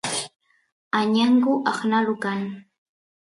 añangu aqnalu kan